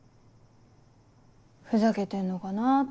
ふざけてんのかなって。